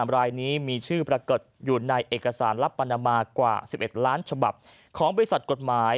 รายนี้มีชื่อปรากฏอยู่ในเอกสารลับปานามากว่า๑๑ล้านฉบับของบริษัทกฎหมาย